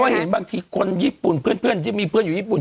เห็นบางทีคนญี่ปุ่นเพื่อนที่มีเพื่อนอยู่ญี่ปุ่น